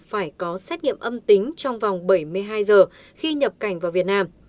phải có xét nghiệm âm tính trong vòng bảy mươi hai giờ khi nhập cảnh vào việt nam